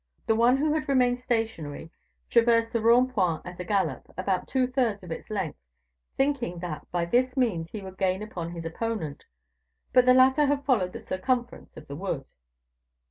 The one who had remained stationary traversed the Rond point at a gallop, about two thirds of its length, thinking that by this means he would gain upon his opponent; but the latter had followed the circumference of the wood."